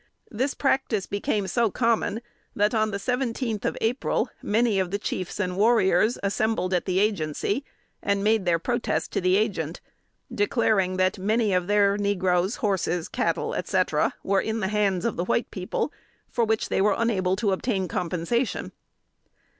This practice became so common that, on the seventeenth of April, many of the chiefs and warriors assembled at the Agency, and made their protest to the Agent, declaring that "many of their negroes, horses, cattle, etc., were in the hands of the white people, for which they were unable to obtain compensation."